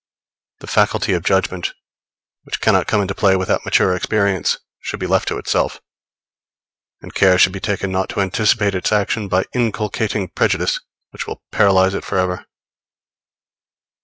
The faculty of judgment, which cannot come into play without mature experience, should be left to itself; and care should be taken not to anticipate its action by inculcating prejudice, which will paralyze it for ever.